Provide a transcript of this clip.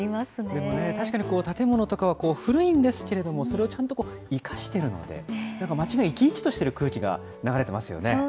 でもね、確かに建物とかは古いんですけれども、それをちゃんと生かしているので、なんか町が生き生きとしている空気が流れてますよね。